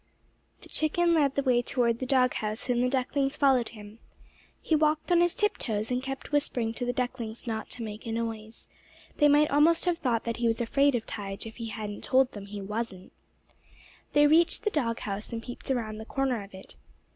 The chicken led the way toward the dog house, and the ducklings followed him. He walked on his tip toes, and kept whispering to the ducklings not to make a noise. They might almost have thought that he was afraid of Tige if he hadn't told them he wasn't. They reached the dog house and peeped around the corner of it.